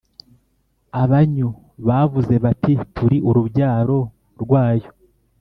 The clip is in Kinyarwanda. abanyu bavuze bati Turi urubyaro rwayo